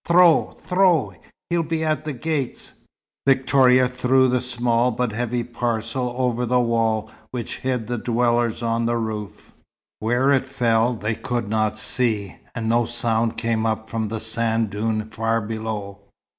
"Throw throw! He'll be at the gates." Victoria threw the small but heavy parcel over the wall which hid the dwellers on the roof. Where it fell, they could not see, and no sound came up from the sand dune far below.